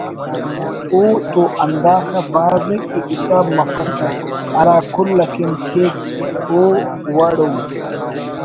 ءُ تو ہنداخہ بھاز ءِ کہ حساب مفسہ ہرا کل اکن کیک او وڑ ءُ